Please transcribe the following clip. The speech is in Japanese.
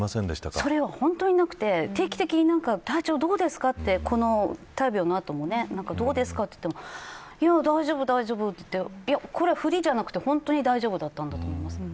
それは、本当になくて定期的に体調どうですかって大病の後も聞いてみても大丈夫、大丈夫ってふりじゃなくて本当に大丈夫だったんだと思います。